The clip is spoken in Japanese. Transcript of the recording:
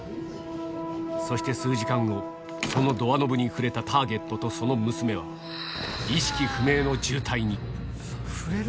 そして数時間後、そのドアノブに触れたターゲットとその娘は、意識不明の重体に。